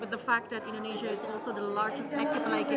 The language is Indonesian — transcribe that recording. dengan fakta bahwa indonesia juga adalah negara yang terbaik